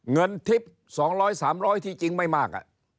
เงินทิศสองร้อยสามร้อยที่จริงไม่มาก